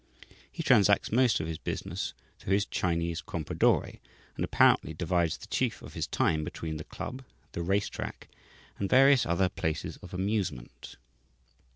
He transacts most of his business through his Chinese "Compradore," and apparently divides the chief of his time between the club, the race track, and various other places of amusement.